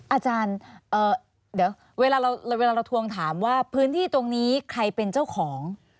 อาจารย์เดี๋ยวเวลาเราทวงถามว่าพื้นที่ตรงนี้ใครเป็นเจ้าของ